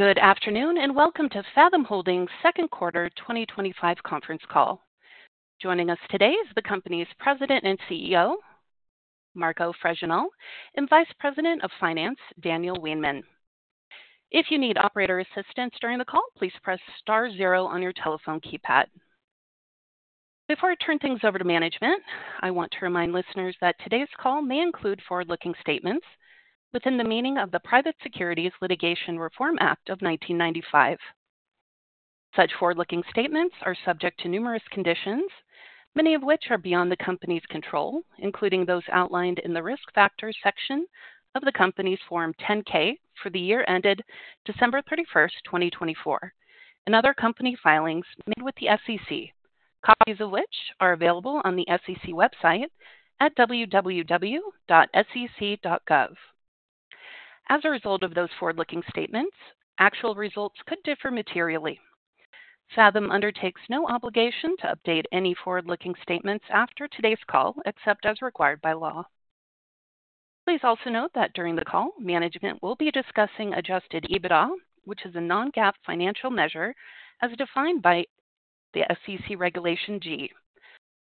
Good afternoon and welcome to Fathom Holdings Second Quarter 2025 Conference Call. Joining us today is the company's President and CEO, Marco Fregenal, and Vice President of Finance, Daniel Weinmann. If you need operator assistance during the call, please press zero on your telephone keypad. Before I turn things over to management, I want to remind listeners that today's call may include forward-looking statements within the meaning of the Private Securities Litigation Reform Act of 1995. Such forward-looking statements are subject to numerous conditions, many of which are beyond the company's control, including those outlined in the Risk Factors section of the company's Form 10-K for the year ended December 31, 2024, and other company filings made with the SEC, copies of which are available on the SEC website at www.sec.gov. As a result of those forward-looking statements, actual results could differ materially. Fathom Holdings. undertakes no obligation to update any forward-looking statements after today's call except as required by law. Please also note that during the call, management will be discussing adjusted EBITDA, which is a non-GAAP financial measure as defined by the SEC Regulation G.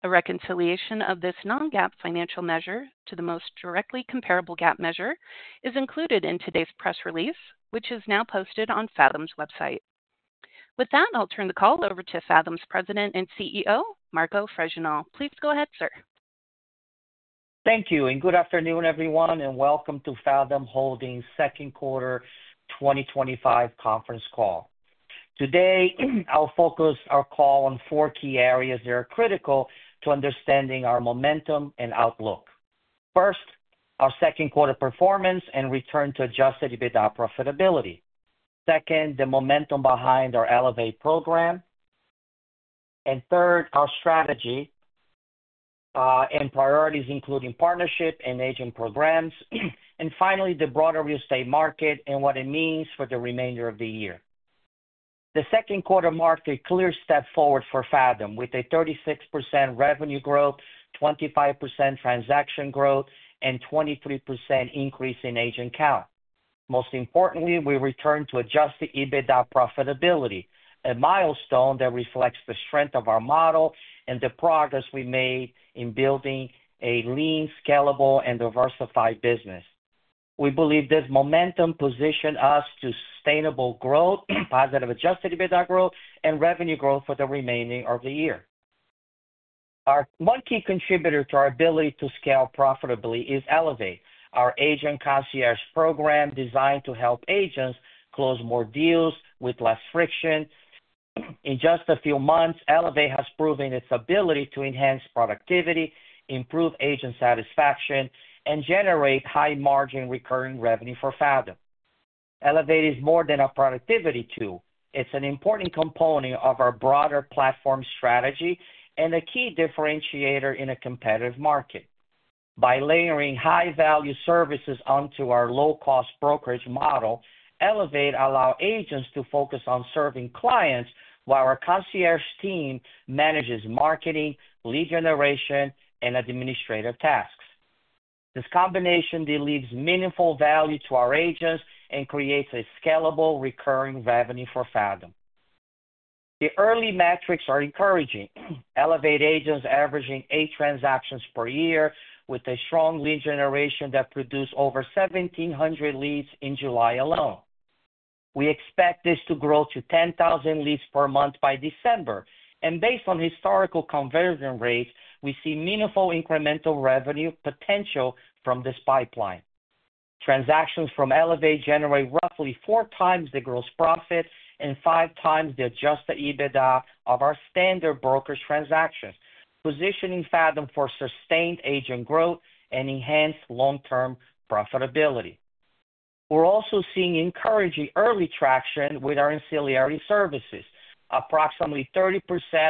A reconciliation of this non-GAAP financial measure to the most directly comparable GAAP measure is included in today's press release, which is now posted on Fathom's website. With that, I'll turn the call over to Fathom's President and CEO, Marco Fregenal. Please go ahead, sir. Thank you, and good afternoon, everyone, and welcome to Fathom second quarter 2025 conference call. Today, I'll focus our call on four key areas that are critical to understanding our momentum and outlook. First, our second quarter performance and return to adjusted EBITDA profitability. Second, the momentum behind our Elevate program. Third, our strategy and priorities, including partnership and agent programs. Finally, the broader real estate market and what it means for the remainder of the year. The second quarter marked a clear step forward for Fathom, with a 36% revenue growth, 25% transaction growth, and a 23% increase in agent count. Most importantly, we returned to adjusted EBITDA profitability, a milestone that reflects the strength of our model and the progress we made in building a lean, scalable, and diversified business. We believe this momentum positions us to sustainable growth, positive adjusted EBITDA growth, and revenue growth for the remainder of the year. One key contributor to our ability to scale profitably is Elevate, our agent concierge program designed to help agents close more deals with less friction. In just a few months, Elevate has proven its ability to enhance productivity, improve agent satisfaction, and generate high-margin recurring revenue for Fathom. Elevate is more than a productivity tool; it's an important component of our broader platform strategy and a key differentiator in a competitive market. By layering high-value services onto our low-cost brokerage model, Elevate allows agents to focus on serving clients while our concierge team manages marketing, lead generation, and administrative tasks. This combination delivers meaningful value to our agents and creates a scalable, recurring revenue for Fathom. The early metrics are encouraging, Elevate agents averaging eight transactions per year with a strong lead generation that produced over 1,700 leads in July alone. We expect this to grow to 10,000 leads per month by December, and based on historical conversion rates, we see meaningful incremental revenue potential from this pipeline. Transactions from Elevate generate roughly four times the gross profit and five times the adjusted EBITDA of our standard brokerage transactions, positioning Fathom for sustained agent growth and enhanced long-term profitability. We're also seeing encouraging early traction with our ancillary services. Approximately 30%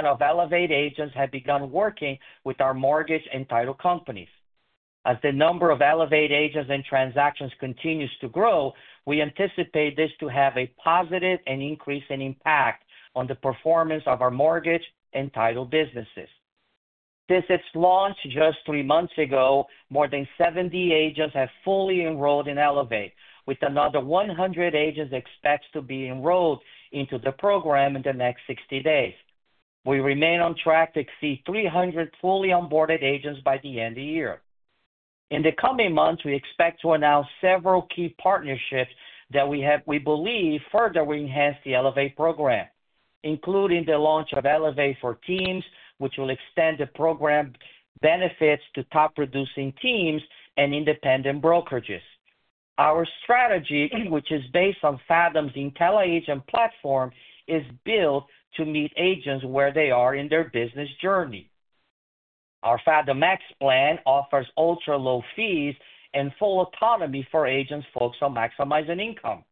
of Elevate agents have begun working with our mortgage and title companies. As the number of Elevate agents and transactions continues to grow, we anticipate this to have a positive and increase in impact on the performance of our mortgage and title businesses. Since its launch just three months ago, more than 70 agents have fully enrolled in Elevate, with another 100 agents expected to be enrolled into the program in the next 60 days. We remain on track to exceed 300 fully onboarded agents by the end of the year. In the coming months, we expect to announce several key partnerships that we believe further will enhance the Elevate program, including the launch of Elevate for Teams, which will extend the program benefits to top-producing teams and independent brokerages. Our strategy, which is based on Fathom's intelliAgent platform, is built to meet agents where they are in their business journey. Our FathomX plan offers ultra-low fees and full autonomy for agents focused on maximizing income.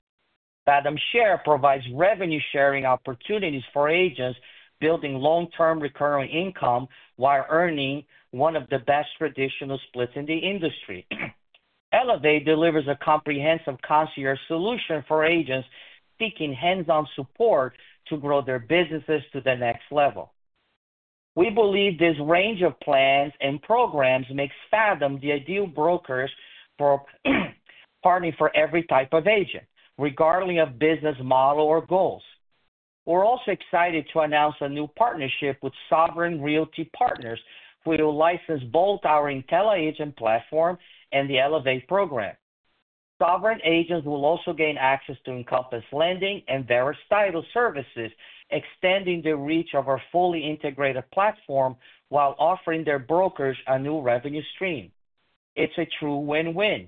Fathom Share provides revenue-sharing opportunities for agents, building long-term recurring income while earning one of the best traditional splits in the industry. Elevate delivers a comprehensive concierge solution for agents seeking hands-on support to grow their businesses to the next level. We believe this range of plans and programs makes Fathom the ideal brokerage partner for every type of agent, regardless of business model or goals. We're also excited to announce a new partnership with Sovereign Realty Partners, who will license both our intelliAgent platform and the Elevate program. Sovereign agents will also gain access to Encompass Lending and Various Title services, extending the reach of our fully integrated platform while offering their brokers a new revenue stream. It's a true win-win.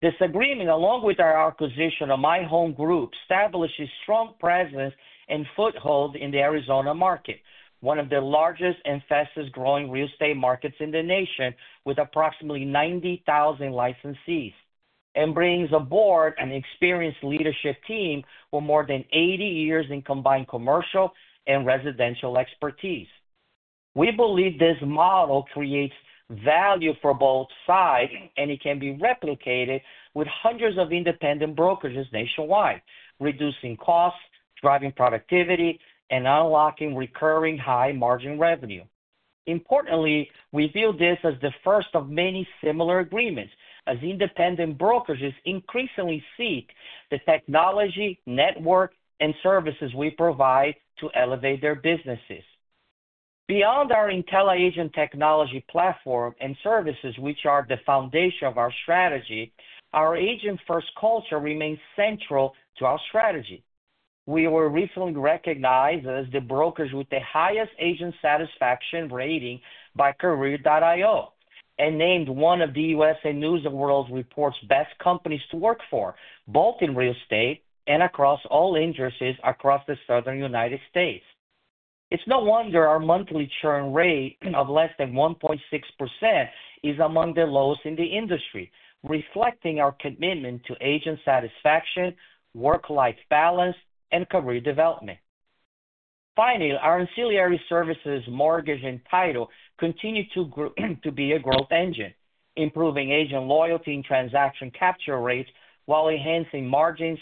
This agreement, along with our acquisition of MyHome Group, establishes a strong presence and foothold in the Arizona market, one of the largest and fastest-growing real estate markets in the nation, with approximately 90,000 licensees, and brings aboard an experienced leadership team with more than 80 years in combined commercial and residential expertise. We believe this model creates value for both sides, and it can be replicated with hundreds of independent brokerages nationwide, reducing costs, driving productivity, and unlocking recurring high-margin revenue. Importantly, we view this as the first of many similar agreements, as independent brokerages increasingly seek the technology, network, and services we provide to elevate their businesses. Beyond our intelliAgent technology platform and services, which are the foundation of our strategy, our agent-first culture remains central to our strategy. We were recently recognized as the brokerage with the highest agent satisfaction rating by Career.io and named one of the U.S. News and World Report's best companies to work for, both in real estate and across all industries across the Southern United States. It's no wonder our monthly churn rate of less than 1.6% is among the lowest in the industry, reflecting our commitment to agent satisfaction, work-life balance, and career development. Finally, our ancillary services, mortgage, and title continue to be a growth engine, improving agent loyalty and transaction capture rates while enhancing margins.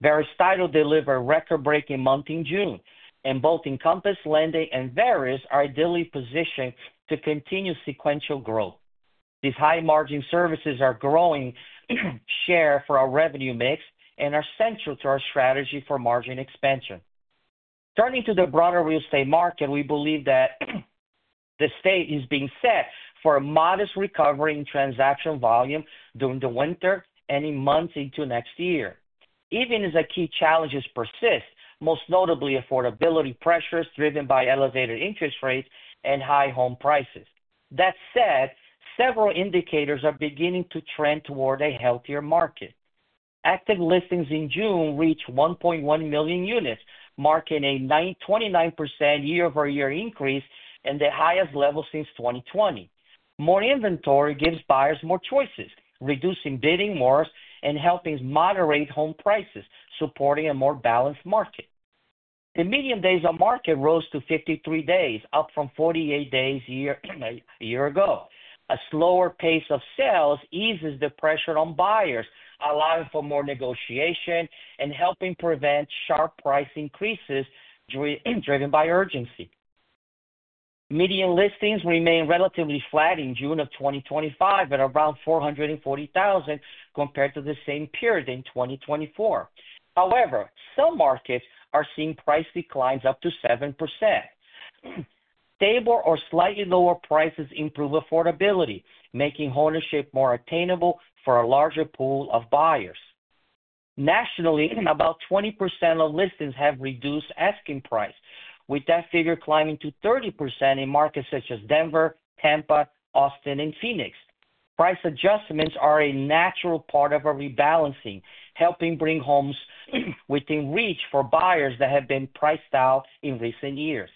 Various Title delivered record-breaking months in June, and both Encompass Lending and Various are ideally positioned to continue sequential growth. These high-margin services are growing shares for our revenue mix and are central to our strategy for margin expansion. Turning to the broader real estate market, we believe that the stake is being set for a modest recovery in transaction volume during the winter and in months into next year, even as the key challenges persist, most notably affordability pressures driven by elevated interest rates and high home prices. That said, several indicators are beginning to trend toward a healthier market. Active listings in June reached 1.1 million units, marking a 29% year-over-year increase and the highest level since 2020. More inventory gives buyers more choices, reducing bidding wars and helping moderate home prices, supporting a more balanced market. The median days on market rose to 53 days, up from 48 days a year ago. A slower pace of sales eases the pressure on buyers, allowing for more negotiation and helping prevent sharp price increases driven by urgency. Median listings remain relatively flat in June 2025 at around 440,000 compared to the same period in 2024. However, some markets are seeing price declines up to 7%. Stable or slightly lower prices improve affordability, making ownership more attainable for a larger pool of buyers. Nationally, about 20% of listings have reduced asking price, with that figure climbing to 30% in markets such as Denver, Tampa, Austin, and Phoenix. Price adjustments are a natural part of a rebalancing, helping bring homes within reach for buyers that have been priced out in recent years.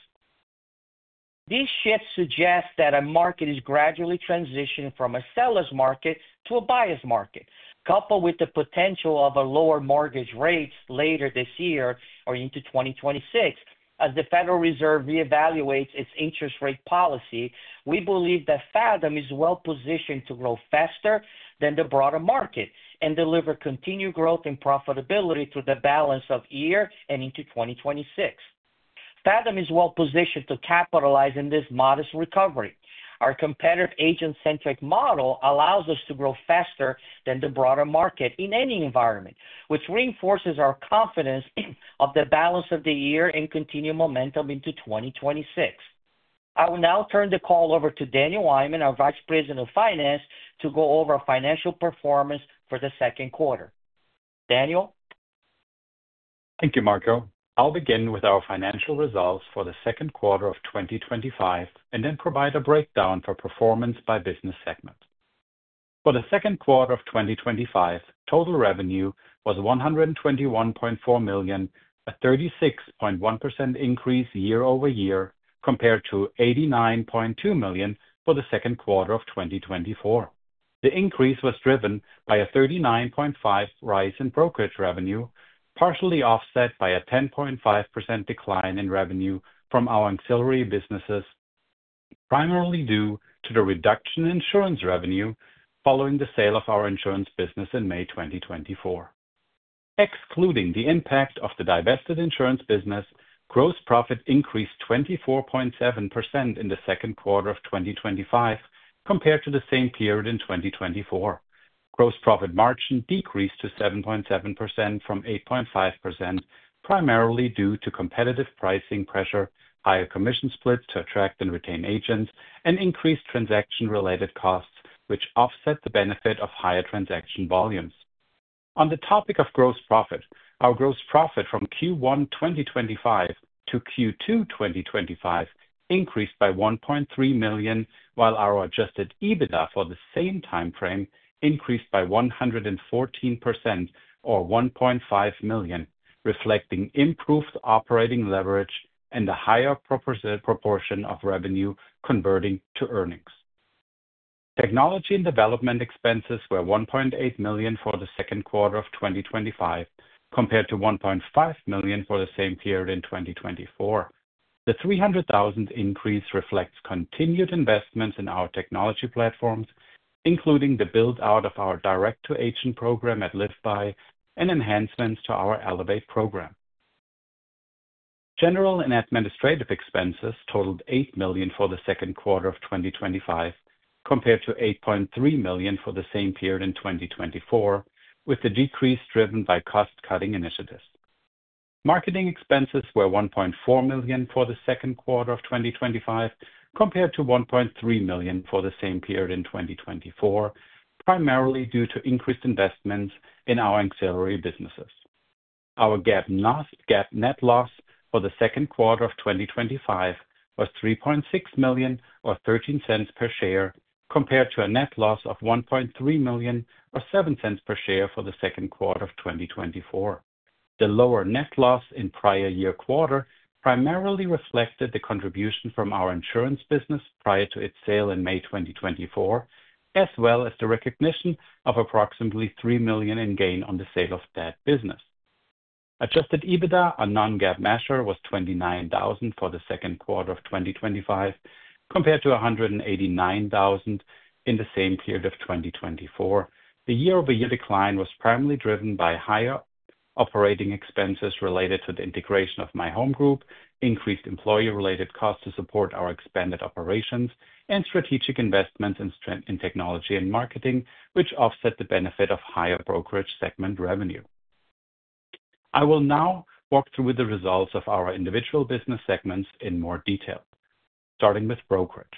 These shifts suggest that our market is gradually transitioning from a seller's market to a buyer's market, coupled with the potential of a lower mortgage rate later this year or into 2026. As the Federal Reserve reevaluates its interest rate policy, we believe that Fathom is well-positioned to grow faster than the broader market and deliver continued growth and profitability through the balance of the year and into 2026. Fathom is well-positioned to capitalize on this modest recovery. Our competitive agent-centric model allows us to grow faster than the broader market in any environment, which reinforces our confidence of the balance of the year and continued momentum into 2026. I will now turn the call over to Daniel Weinmann, our Vice President of Finance, to go over financial performance for the second quarter. Daniel? Thank you, Marco. I'll begin with our financial results for the second quarter of 2025 and then provide a breakdown for performance by business segment. For the second quarter of 2025, total revenue was $121.4 million, a 36.1% increase year-over-year compared to $89.2 million for the second quarter of 2024. The increase was driven by a 39.5% rise in brokerage revenue, partially offset by a 10.5% decline in revenue from our ancillary businesses, primarily due to the reduction in insurance revenue following the sale of our insurance business in May 2024. Excluding the impact of the divested insurance business, gross profit increased 24.7% in the second quarter of 2025 compared to the same period in 2024. Gross profit margin decreased to 7.7% from 8.5%, primarily due to competitive pricing pressure, higher commission splits to attract and retain agents, and increased transaction-related costs, which offset the benefit of higher transaction volumes. On the topic of gross profit, our gross profit from Q1 2025 to Q2 2025 increased by $1.3 million, while our adjusted EBITDA for the same timeframe increased by 114% or $1.5 million, reflecting improved operating leverage and a higher proportion of revenue converting to earnings. Technology and development expenses were $1.8 million for the second quarter of 2025 compared to $1.5 million for the same period in 2024. The $300,000 increase reflects continued investments in our technology platforms, including the build-out of our direct-to-agent program at LiveBy and enhancements to our Elevate program. General and administrative expenses totaled $8 million for the second quarter of 2025 compared to $8.3 million for the same period in 2024, with the decrease driven by cost-cutting initiatives. Marketing expenses were $1.4 million for the second quarter of 2025 compared to $1.3 million for the same period in 2024, primarily due to increased investments in our ancillary businesses. Our GAAP net loss for the second quarter of 2025 was $3.6 million or $0.13 per share, compared to a net loss of $1.3 million or $0.07 per share for the second quarter of 2024. The lower net loss in prior year quarter primarily reflected the contribution from our insurance business prior to its sale in May 2024, as well as the recognition of approximately $3 million in gain on the sale of that business. Adjusted EBITDA, our non-GAAP measure, was $29,000 for the second quarter of 2025 compared to $189,000 in the same period of 2024. The year-over-year decline was primarily driven by higher operating expenses related to the integration of MyHome Group, increased employee-related costs to support our expanded operations, and strategic investments in technology and marketing, which offset the benefit of higher brokerage segment revenue. I will now walk through the results of our individual business segments in more detail, starting with brokerage.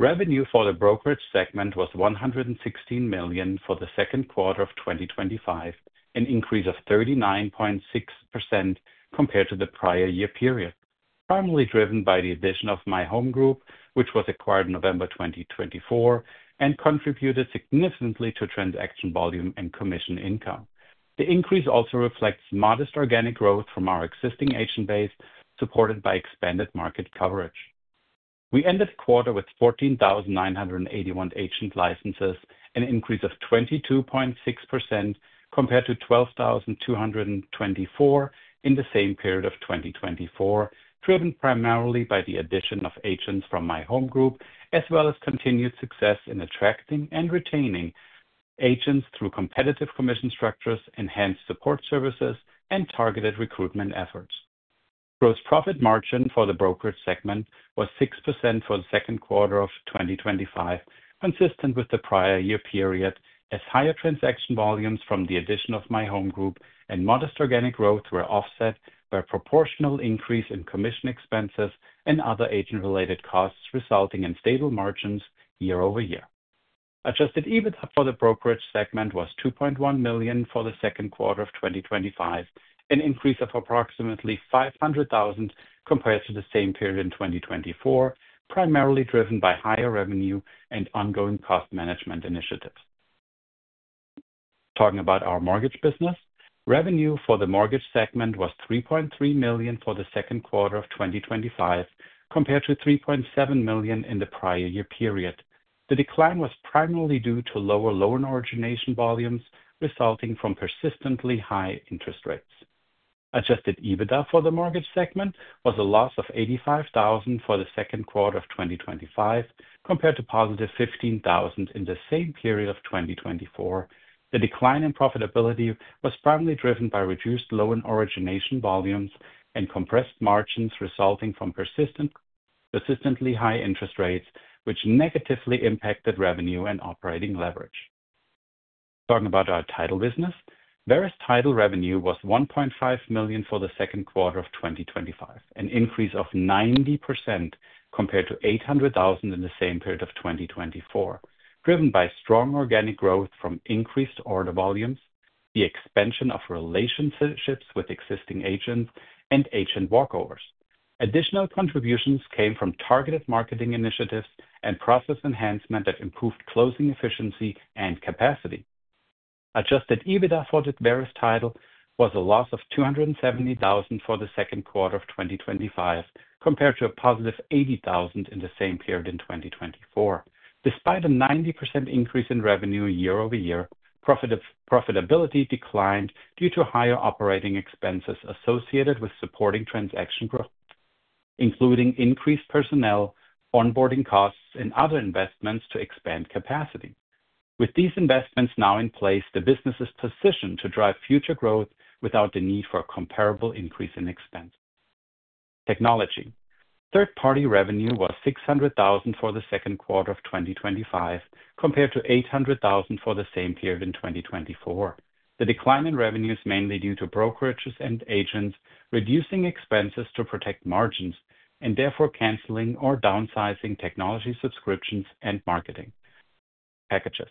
Revenue for the brokerage segment was $116 million for the second quarter of 2025, an increase of 39.6% compared to the prior year period, primarily driven by the addition of MyHome Group, which was acquired in November 2024 and contributed significantly to transaction volume and commission income. The increase also reflects modest organic growth from our existing agent base, supported by expanded market coverage. We ended the quarter with 14,981 agent licenses, an increase of 22.6% compared to 12,224 in the same period of 2024, driven primarily by the addition of agents from MyHome Group, as well as continued success in attracting and retaining agents through competitive commission structures, enhanced support services, and targeted recruitment efforts. Gross profit margin for the brokerage segment was 6% for the second quarter of 2025, consistent with the prior year period, as higher transaction volumes from the addition of MyHome Group and modest organic growth were offset by a proportional increase in commission expenses and other agent-related costs, resulting in stable margins year-over-year. Adjusted EBITDA for the brokerage segment was $2.1 million for the second quarter of 2025, an increase of approximately $500,000 compared to the same period in 2024, primarily driven by higher revenue and ongoing cost management initiatives. Talking about our mortgage business, revenue for the mortgage segment was $3.3 million for the second quarter of 2025 compared to $3.7 million in the prior year period. The decline was primarily due to lower loan origination volumes resulting from persistently high interest rates. Adjusted EBITDA for the mortgage segment was a loss of $85,000 for the second quarter of 2025 compared to positive $15,000 in the same period of 2024. The decline in profitability was primarily driven by reduced loan origination volumes and compressed margins resulting from persistently high interest rates, which negatively impacted revenue and operating leverage. Talking about our title business, Various Title revenue was $1.5 million for the second quarter of 2025, an increase of 90% compared to $800,000 in the same period of 2024, driven by strong organic growth from increased order volumes, the expansion of relationships with existing agents, and agent walkovers. Additional contributions came from targeted marketing initiatives and process enhancement that improved closing efficiency and capacity. Adjusted EBITDA for the Various Title was a loss of $270,000 for the second quarter of 2025 compared to a positive $80,000 in the same period in 2024. Despite a 90% increase in revenue year-over-year, profitability declined due to higher operating expenses associated with supporting transaction growth, including increased personnel, onboarding costs, and other investments to expand capacity. With these investments now in place, the business is positioned to drive future growth without the need for a comparable increase in expenses. Technology third-party revenue was $600,000 for the second quarter of 2025 compared to $800,000 for the same period in 2024. The decline in revenue is mainly due to brokerages and agents reducing expenses to protect margins and therefore canceling or downsizing technology subscriptions and marketing packages.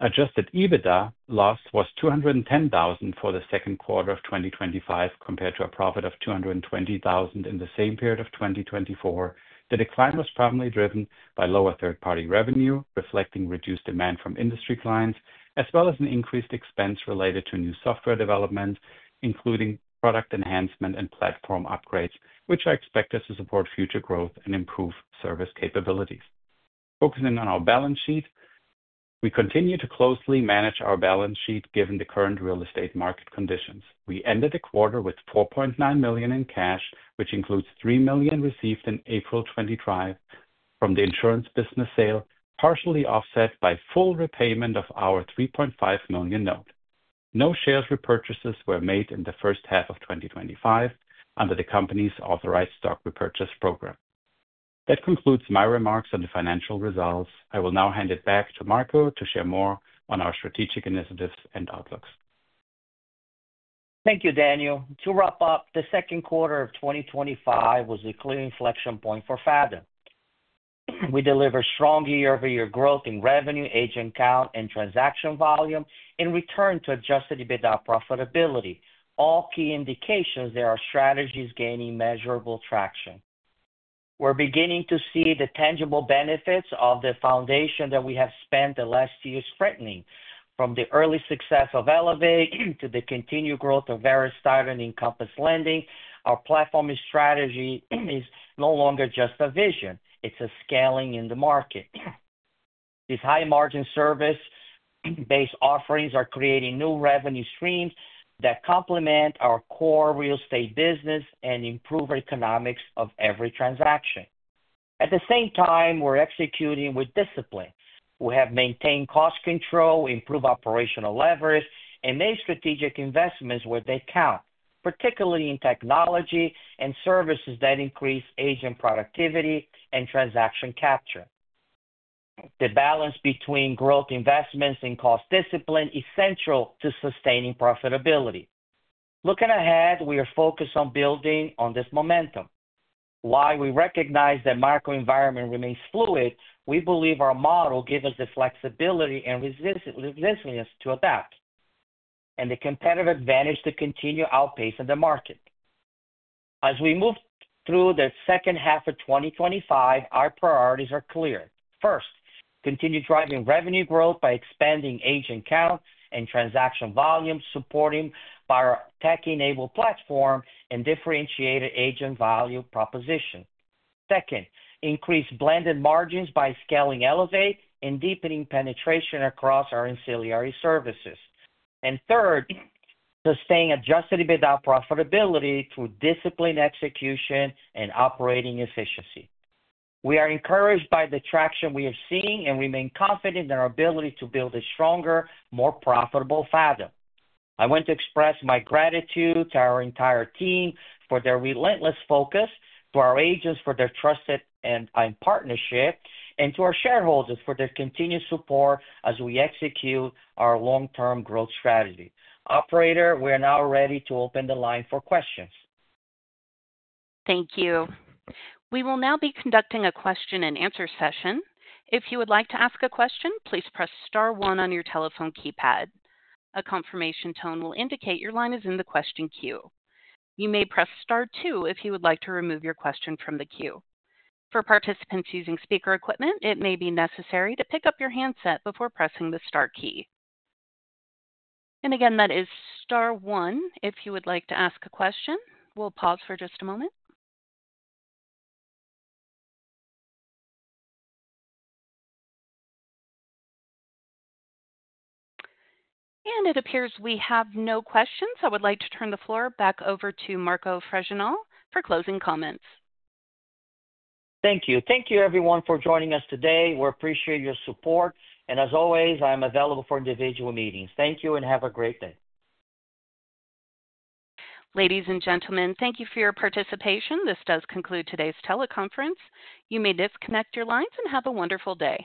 Adjusted EBITDA loss was $210,000 for the second quarter of 2025 compared to a profit of $220,000 in the same period of 2024. The decline was primarily driven by lower third-party revenue, reflecting reduced demand from industry clients, as well as an increased expense related to new software development, including product enhancement and platform upgrades, which are expected to support future growth and improve service capabilities. Focusing on our balance sheet, we continue to closely manage our balance sheet given the current real estate market conditions. We ended the quarter with $4.9 million in cash, which includes $3 million received in April 2025 from the insurance business sale, partially offset by full repayment of our $3.5 million note. No share repurchases were made in the first half of 2025 under the company's authorized stock repurchase program. That concludes my remarks on the financial results. I will now hand it back to Marco to share more on our strategic initiatives and outlooks. Thank you, Daniel. To wrap up, the second quarter of 2025 was a clear inflection point for Fathom. We delivered strong year-over-year growth in revenue, agent count, and transaction volume and returned to adjusted EBITDA profitability, all key indications our strategies are gaining measurable traction. We're beginning to see the tangible benefits of the foundation that we have spent the last year strengthening. From the early success of Elevate to the continued growth of Various Title and Encompass Lending, our platform strategy is no longer just a vision, it's scaling in the market. These high-margin service-based offerings are creating new revenue streams that complement our core real estate business and improve the economics of every transaction. At the same time, we're executing with discipline. We have maintained cost control, improved operational leverage, and made strategic investments where they count, particularly in technology and services that increase agent productivity and transaction capture. The balance between growth investments and cost discipline is central to sustaining profitability. Looking ahead, we are focused on building on this momentum. While we recognize that the market environment remains fluid, we believe our model gives us the flexibility and resilience to adapt and the competitive advantage to continue outpacing the market. As we move through the second half of 2025, our priorities are clear. First, continue driving revenue growth by expanding agent count and transaction volume, supported by our tech-enabled platform and differentiated agent value proposition. Second, increase blended margins by scaling Elevate and deepening penetration across our ancillary services. Third, sustain adjusted EBITDA profitability through disciplined execution and operating efficiency. We are encouraged by the traction we are seeing and remain confident in our ability to build a stronger, more profitable Fathom. I want to express my gratitude to our entire team for their relentless focus, to our agents for their trust and partnership, and to our shareholders for their continued support as we execute our long-term growth strategy. Operator, we are now ready to open the line for questions. Thank you. We will now be conducting a question and answer session. If you would like to ask a question, please press one on your telephone keypad. A confirmation tone will indicate your line is in the question queue. You may press two if you would like to remove your question from the queue. For participants using speaker equipment, it may be necessary to pick up your handset before pressing the star key. That is star one if you would like to ask a question. We'll pause for just a moment. It appears we have no questions. I would like to turn the floor back over to Marco Fregenal for closing comments. Thank you. Thank you, everyone, for joining us today. We appreciate your support. I am available for individual meetings. Thank you and have a great day. Ladies and gentlemen, thank you for your participation. This does conclude today's teleconference. You may disconnect your lines and have a wonderful day.